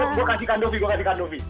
gue kasih kak jofi gue kasih kak jofi